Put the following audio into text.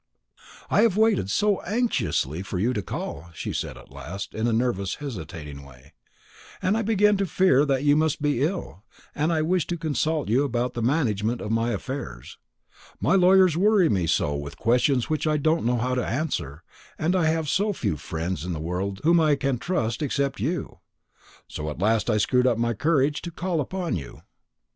"I have waited so anxiously for you to call," she said at last, in a nervous hesitating way, "and I began to fear that you must be ill, and I wished to consult you about the management of my affairs. My lawyers worry me so with questions which I don't know how to answer, and I have so few friends in the world whom I can trust except you; so at last I screwed up my courage to call upon you."